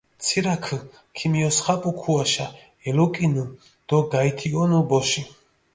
ცირაქჷ ქიმიოსხაპუ ქუაშა, ელუკჷნჷ დო გაითიჸუნუ ბოში.